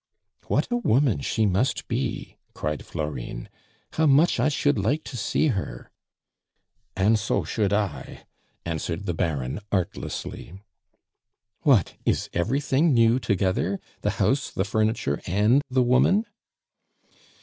"What a woman she must be!" cried Florine. "How much I should like to see her!" "An' so should I," answered the Baron artlessly. "What! is everything new together the house, the furniture, and the woman?"